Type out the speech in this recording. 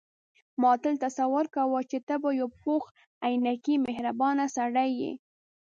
ما تل تصور کاوه چې ته به یو پوخ عینکي مهربانه سړی یې.